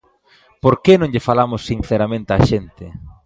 ¿Por que non lle falamos sinceramente á xente?